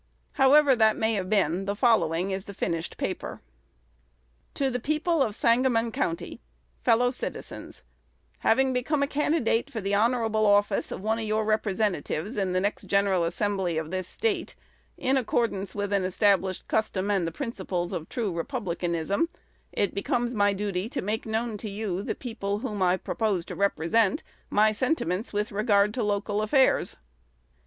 However that may have been, the following is the finished paper: To the People of Sangamon County. Fellow Citizens, Having become a candidate for the honorable office of one of your Representatives in the next General Assembly of this State, in accordance with an established custom and the principles of true republicanism, it becomes my duty to make known to you, the people, whom I propose to represent, my sentiments with regard to local affairs.